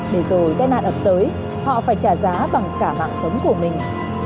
để rồi cái nạn ẩm tới họ phải trả giá bằng cả mạng sống của mình